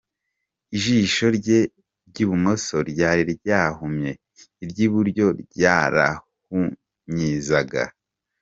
Ijisho rye ry’ibumoso ryari ryarahumye, iry’iburyo ryarahunyizaga.